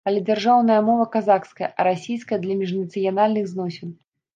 Але дзяржаўная мова казахская, а расійская для міжнацыянальных зносін.